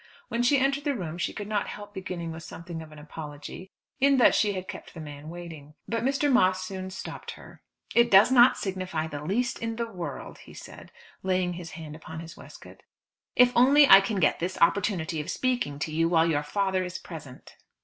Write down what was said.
When she entered the room, she could not help beginning with something of an apology, in that she had kept the man waiting; but Mr. Moss soon stopped her. "It does not signify the least in the world," he said, laying his hand upon his waistcoat. "If only I can get this opportunity of speaking to you while your father is present."